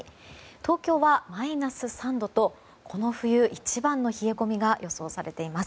東京はマイナス３度とこの冬一番の冷え込みが予想されています。